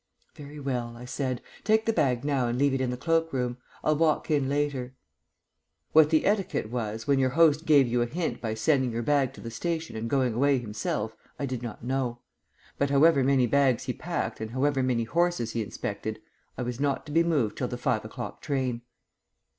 "Very well," I said. "Take the bag now and leave it in the cloak room. I'll walk in later." What the etiquette was when your host gave you a hint by sending your bag to the station and going away himself, I did not know. But however many bags he packed and however many horses he inspected, I was not to be moved till the five o'clock train.